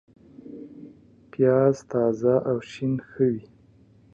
پیاز تازه او شین ښه وي